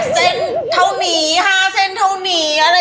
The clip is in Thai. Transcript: ๘เส้นเถ้านี้๕เส้นเถ้านี้